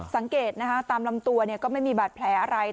สังเกตนะคะตามลำตัวก็ไม่มีบาดแผลอะไร